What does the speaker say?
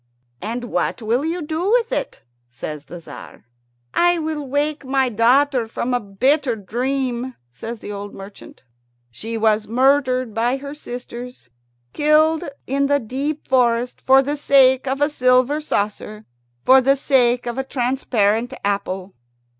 "And what will you do with it?" says the Tzar. "I will wake my daughter from a bitter dream," says the old merchant. "She was murdered by her sisters killed in the deep forest for the sake of a silver saucer, for the sake of a transparent apple."